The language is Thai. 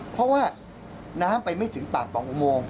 เพราะว่าน้ำไปไม่ถึงปาก๒อุโมง